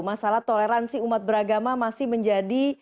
masalah toleransi umat beragama masih menjadi